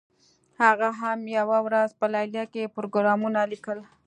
هغه هم یوه ورځ په لیلیه کې پروګرامونه لیکل